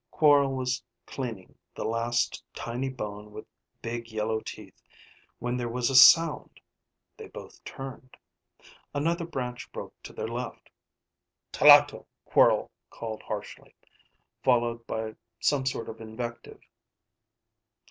Quorl was cleaning the last, tiny bone with big, yellow teeth when there was a sound. They both turned. Another branch broke to their left. "Tloto," Quorl called harshly, followed by some sort of invective.